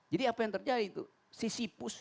jadi apa yang terjadi tuh si sipus